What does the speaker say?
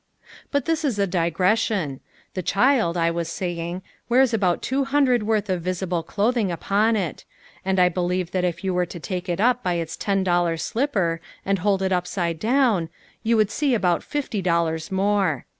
But this is a digression. The child, I was saying, wears about two hundred worth of visible clothing upon it; and I believe that if you were to take it up by its ten dollar slipper and hold it upside down, you would see about fifty dollars more.